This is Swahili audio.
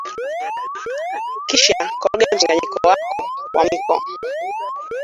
Kisha koroga mchanganyiko wao kwa mwiko